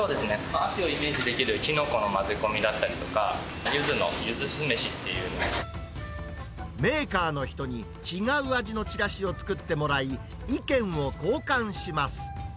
秋がイメージできるキノコの混ぜ込みだったりとか、メーカーの人に違う味のちらしを作ってもらい、意見を交換します。